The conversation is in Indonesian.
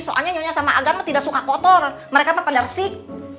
soalnya nyonya sama agama tidak suka kotor mereka mah pada resik